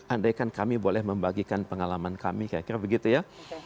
andaikan kami boleh membagikan pengalaman kami kira kira begitu ya